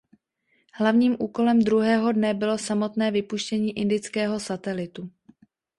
Hlavním úkolem druhého dne bylo samotné vypuštění indického satelitu.